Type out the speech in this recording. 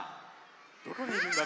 どこにいるんだろう？